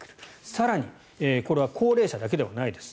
更にこれは高齢者だけじゃないです。